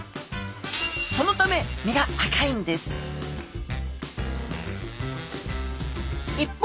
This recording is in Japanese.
そのため身が赤いんです一方